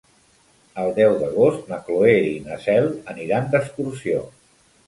El deu d'agost na Cloè i na Cel aniran d'excursió.